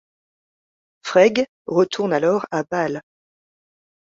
Freig retourne alors à Bâle.